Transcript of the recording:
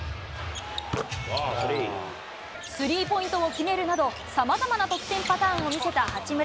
スリーポイントを決めるなど、さまざまな得点パターンを見せた八村。